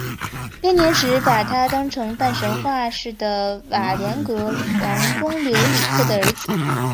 编年史把他当成半神话式的瓦良格王公留里克的儿子。